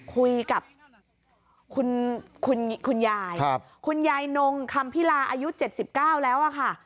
คุยกับคุณยายคุณยายนงคำพิลาอายุ๗๙แล้วอะค่ะ